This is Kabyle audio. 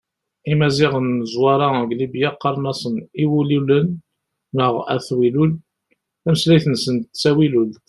Imaziɣen n Zwaṛa deg Libya qqaren-asen Iwilulen neɣ At Wilul, tameslayt-nsen d tawilult.